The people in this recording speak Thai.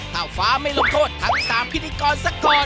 เต่าฟ้าไม่ลงโทษทั้งสามพินิกรซะก่อน